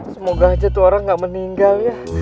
semoga aja tu'a'ra gak meninggal